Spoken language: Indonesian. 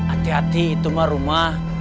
ati ati itu mah rumah